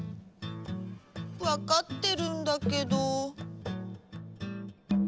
わかってるんだけど。